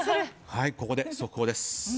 ここで速報です。